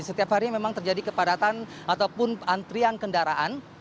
setiap hari memang terjadi kepadatan ataupun antrian kendaraan